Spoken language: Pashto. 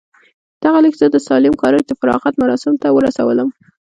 دغه ليک زه د ساليم کالج د فراغت مراسمو ته ورسولم.